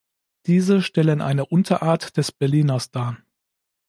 Diese stellen eine Unterart des Berliners dar.